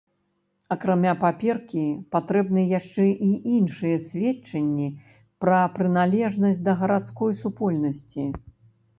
Акрамя паперкі патрэбны яшчэ і іншыя сведчанні пра прыналежнасць да гарадской супольнасці.